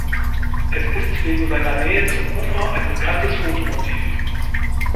Es ist wegen seiner Nähe zum Ufer ein bekanntes Fotomotiv.